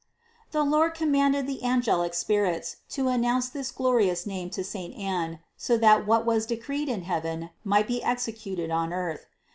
The Lord commanded the angelic spirits to announce this glorious name to saint Anne, so that what was decreed in heaven might be executed on earth.